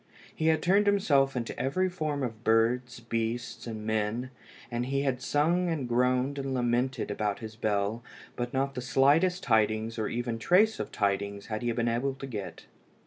He had turned himself into every form of birds, beasts, and men, and he had sung and groaned and lamented about his bell, but not the slightest tidings or trace of tidings had he been able to get.